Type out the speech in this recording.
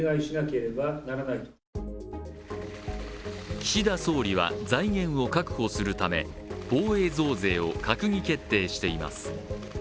岸田総理は財源を確保するため、防衛増税を閣議決定しています。